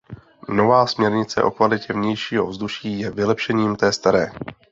Nová směrnice o kvalitě vnějšího ovzduší je vylepšením té staré.